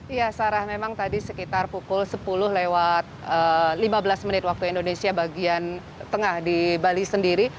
iya sarah memang tadi sekitar pukul sepuluh lewat lima belas menit waktu indonesia bagian tengah di bali sendiri